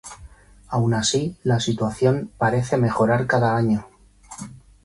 Aun así, la situación parece mejorar cada año.